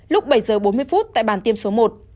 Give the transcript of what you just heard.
lúc bảy h bốn mươi phút tại bàn tiêm số một